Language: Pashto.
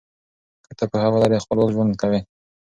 که ته پوهه ولرې خپلواک ژوند کوې.